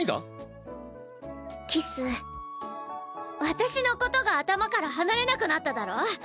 私のことが頭から離れなくなっただろ？